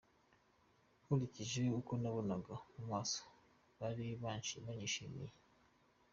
Nkurikije uko nababonaga mu maso, bari banyishimiye.